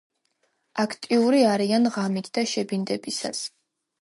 აქტიური არიან ღამით და შებინდებისას.